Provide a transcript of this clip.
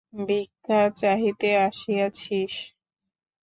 ভিক্ষা চাহিতে আসিয়াছিস?